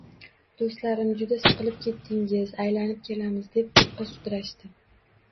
Do‘stlarim: «Juda siqilib ketdingiz, aylanib kelamiz», deb toqqa sudrashdi.